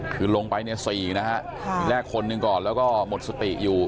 คือลงไปเนี่ย๔นะฮะอีกแลกคนหนึ่งก่อนแล้วก็หมดสติอยู่